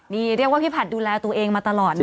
นี่เรียกว่าพี่ผัดดูแลตัวเองมาตลอดนะ